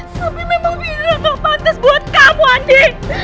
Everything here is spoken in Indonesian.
tapi memang mirah tak pantas buat kamu andi